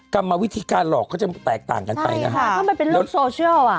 กลับมาวิธีการหลอกก็จะแตกต่างกันไปนะฮะใช่ค่ะทำไมเป็นเรื่องโซเชียลอ่ะ